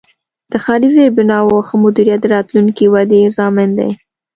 د ښاري زیربناوو ښه مدیریت د راتلونکې ودې ضامن دی.